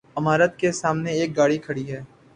عمارت کے سامنے ایک گاڑی کھڑی ہے